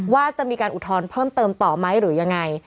ว่าจะมีการอุดทนเพิ่มเติมต่อมั้ยหรือยังไง